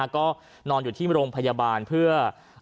ก็นอนอยู่ที่โรงพยาบาลเพื่อ